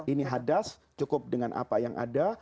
ini hadas cukup dengan apa yang ada